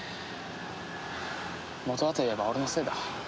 元はといえば俺のせいだ。